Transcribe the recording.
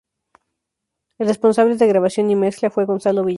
El responsable de grabación y mezcla fue Gonzalo Villagra.